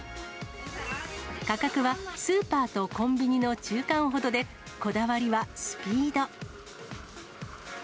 価格はスーパーとコンビニの中間ほどで、こだわりはスピード。